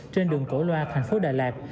trên đường cổ loa tp đà lạt